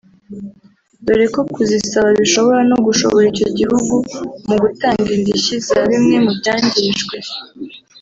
dore ko kuzisaba bishobora no gushora icyo gihugu mu gutanga indishyi za bimwe mu byangijwe